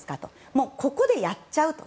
もうここでやっちゃうと。